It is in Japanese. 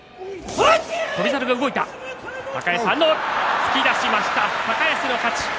突き出しました、高安の勝ち。